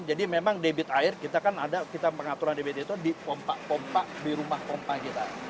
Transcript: jadi memang debit air kita kan ada kita mengatur debit itu di pompa pompa di rumah pompa kita